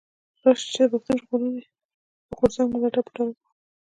راشئ چي د پښتون ژغورني غورځنګ ملاتړ په ډاګه وکړو.